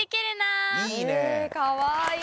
かわいい。